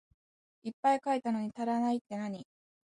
いっぱい書いたのに足らないってなに？